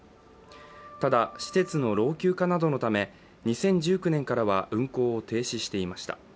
ただ、施設の老朽化などのため２０１９年からは運行を停止していました。